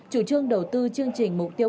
chủ trương đầu tư chương trình mục tiêu